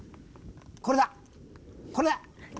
これだ、これだ！